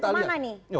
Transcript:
bukan bukan bukan